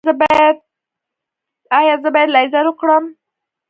ایا زه باید لیزر وکړم؟